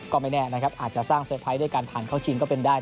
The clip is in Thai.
ก็ไม่แน่นะครับอาจจะสร้างเตอร์ไพรส์ด้วยการผ่านเข้าชิงก็เป็นได้